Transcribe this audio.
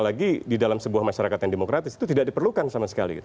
kehidupan masyarakat yang demokratis itu tidak diperlukan sama sekali